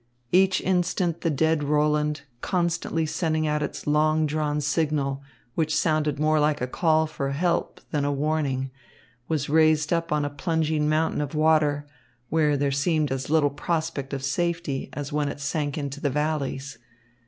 Each instant the dead Roland, constantly sending out its long drawn signal, which sounded more like a call for help than a warning, was raised up on a plunging mountain of water, where there seemed as little prospect of safety as when it sank into the valleys.